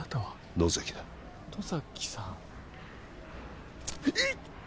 野崎だ野崎さんいっ！